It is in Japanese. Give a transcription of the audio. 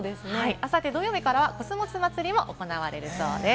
あさって土曜日からはコスモスまつりも行われるそうです。